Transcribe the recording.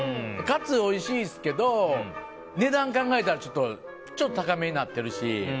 カツ、おいしいですけど値段考えたらちょっと高めになってるし。